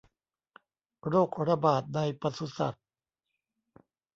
โรคระบาดในปศุสัตว์